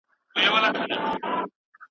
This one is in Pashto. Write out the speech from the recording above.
لیکوالانو په زړه پورې ټولني تشریح کولې.